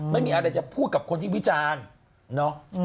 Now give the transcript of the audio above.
ไม่มีอะไรจะพูดกับคนที่วิจารณ์เนาะ